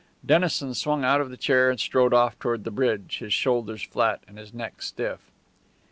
Dennison swung out of the chair and strode off toward the bridge, his shoulders flat and his neck stiff.